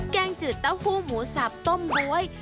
แกงจืดเต้าหู้หมูสับต้มบ๊วย